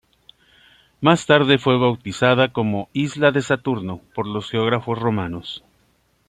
Más tarde fue bautizada como "isla de Saturno" por los geógrafos romanos.